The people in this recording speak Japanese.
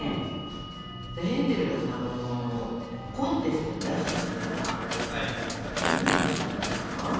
ヘンゼルがさコンテストに出すとするならどんなの作りますか？